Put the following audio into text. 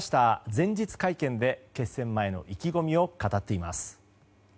前日会見で決戦前の意気込みを語っています。